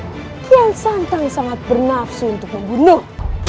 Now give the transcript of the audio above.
kian santang sangat bernafsu untuk membunuh